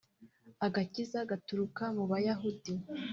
Agakiza gaturuka mu bayahudi